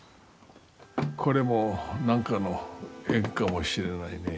これも何かの縁かもしれないね。